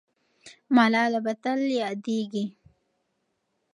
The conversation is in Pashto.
ملاله به تل یاده کېږي.